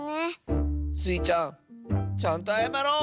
スイちゃんちゃんとあやまろう！